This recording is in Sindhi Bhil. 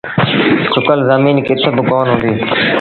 سُڪل زميݩ ڪٿ با ڪونا هُديٚ۔